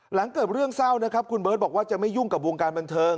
หลังเกิดเรื่องเศร้านะครับคุณเบิร์ตบอกว่าจะไม่ยุ่งกับวงการบันเทิง